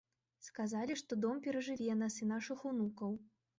Сказалі, што дом перажыве нас і нашых унукаў.